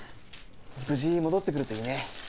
無事戻って来るといいね。